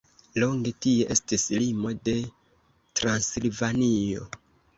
Longe tie estis limo de Transilvanio.